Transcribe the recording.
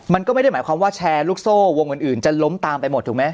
มันก็ไม่ได้หมายความว่าแชร์ลูกโซ่วงอื่นจะล้มตามไปหมดถูกไหม